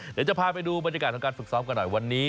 เดี๋ยวจะพาไปดูบรรยากาศของการฝึกซ้อมกันหน่อยวันนี้